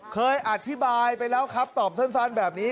เคยอธิบายไปแล้วครับตอบสั้นแบบนี้